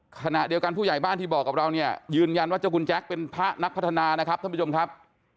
ขณะเดียวกันผู้ใหญ่บ้านที่บอกกับเราเนี่ยยืนยันว่าเจ้าคุณแจ๊คเป็นพระนักพัฒนานะครับท่านผู้ชมครับ